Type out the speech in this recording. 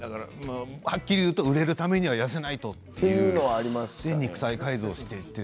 はっきり言うと売れるためには痩せないと肉体改造をして。